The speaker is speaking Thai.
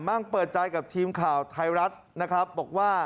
ั่งเปิดใจกับทีมข่าวไทยรัฐนะครับบอกว่า